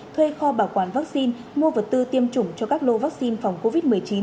thuê kho bảo quản vaccine mua vật tư tiêm chủng cho các lô vaccine phòng covid một mươi chín